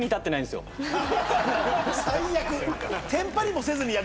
最悪！